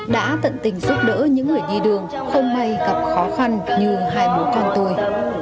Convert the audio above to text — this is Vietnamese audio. đã tận tình giúp đỡ những người đi đường không may gặp khó khăn như hai bố con tôi